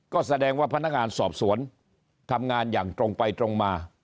ก็แสดงว่าพนักงานสอบสวนทำงานอย่างตรงไปตรงมา